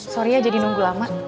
sorry aja dinunggu lama